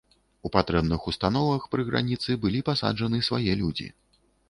У патрэбных установах пры граніцы былі пасаджаны свае людзі.